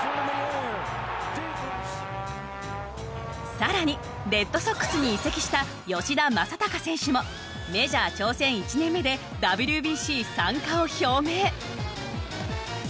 更にレッドソックスに移籍した吉田正尚選手もメジャー挑戦１年目でＷＢＣ参加を表明。